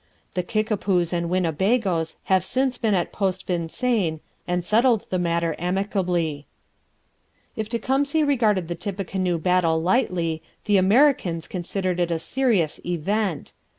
The Kickapoos and Winnebagoes have since been at Post Vincennes and settled the matter amicably. If Tecumseh regarded the Tippecanoe battle lightly, the Americans considered it a serious event.